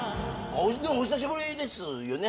お久しぶりですよね。